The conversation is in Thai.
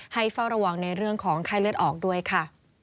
เฝ้าระวังในเรื่องของไข้เลือดออกด้วยค่ะ